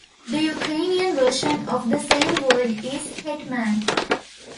The Ukrainian version of the same word is Hetman.